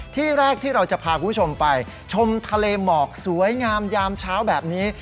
ที่แรกที่เราจะพาคุณผู้ชมไปชมทะเลหมอกสวยงามยามเช้าแบบนี้